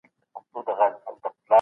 موږ کورنی کار لیکو.